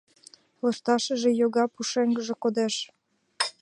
Лышташыже йога, пушеҥгыже кодеш.